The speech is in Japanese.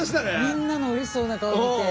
みんなのうれしそうな顔見て。